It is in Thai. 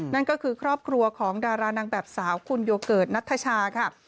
นั่นก็คือครอบครัวของดารานางแบบสาวคุณโยเกิร์ตนัทชาค่ะ